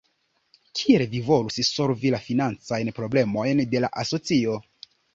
Kiel vi volus solvi la financajn problemojn de la asocio?